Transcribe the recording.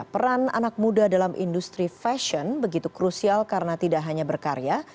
peran anak muda dalam industri fashion begitu krusial karena tidak hanya berkarya